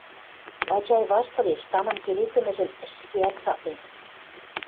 Вачай ваштылеш, самынь келесӹмӹжӹм ӹшкеӓт цаклен.